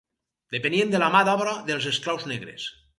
Depenien de la mà d'obra dels esclaus negres.